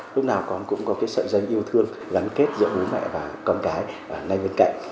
lúc nào con cũng có cái sợi dây yêu thương gắn kết giữa bố mẹ và con cái ngay bên cạnh